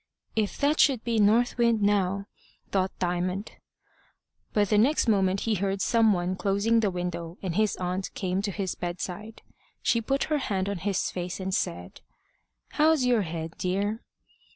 "If that should be North Wind now!" thought Diamond. But the next moment he heard some one closing the window, and his aunt came to his bedside. She put her hand on his face, and said "How's your head, dear?"